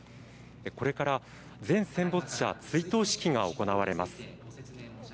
これから全戦没者追悼式が行われます。